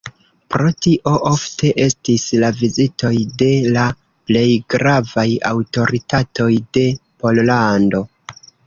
Pro tio ofte estis la vizitoj de la plej gravaj aŭtoritatoj de Pollando.